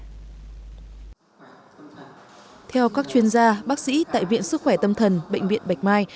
theo các chuyên gia bác sĩ tại viện sức khỏe tâm thần bệnh viện bạch mai